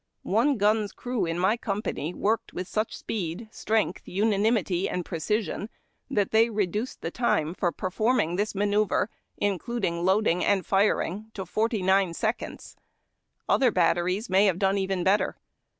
One gun's crew in my company worked with such speed, strength, unanimity, and precision, that they reduced the time for performing this manoeuvre, including loading and firing, to forty nine seconds. Other batteries may have done even better.